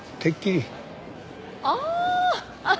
ああ！